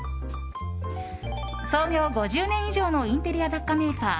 創業５０年以上のインテリア雑貨メーカー